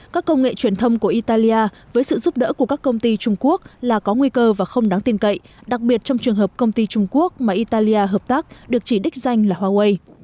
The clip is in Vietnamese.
các công nghệ truyền thông của italia với sự giúp đỡ của các công ty trung quốc là có nguy cơ và không đáng tin cậy đặc biệt trong trường hợp công ty trung quốc mà italia hợp tác được chỉ đích danh là huawei